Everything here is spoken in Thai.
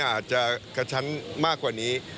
อาจจะกระชั้นมากกว่านี้